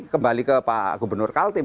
kembali ke pak gubernur kaltim